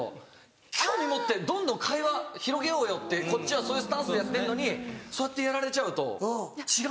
興味持ってどんどん会話広げようよってこっちはそういうスタンスでやってんのにそうやってやられちゃうと違うだろ。